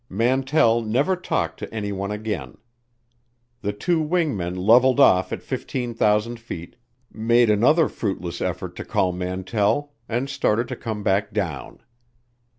Mantell never talked to anyone again. The two wing men leveled off at 15,000 feet, made another fruitless effort to call Mantell, and started to come back down.